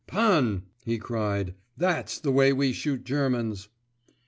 "Pan!" he cried; "that's the way we shoot Germans!"